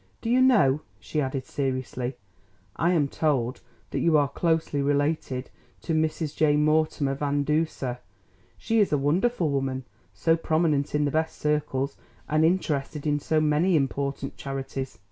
"Do you know," she added seriously, "I am told that you are closely related to Mrs. J. Mortimer Van Duser. She is a wonderful woman, so prominent in the best circles and interested in so many important charities."